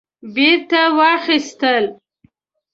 بیرته واخیستل